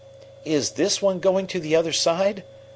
"Is this one going to the other side?"